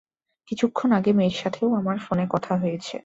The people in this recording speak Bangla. কিছুক্ষণ আগে মেয়ের সাথেও আমার ফোনে কথা হয়েছে।